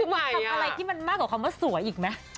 คุณทำอะไรที่มันมากกว่าคำว่าสวยอีกไหม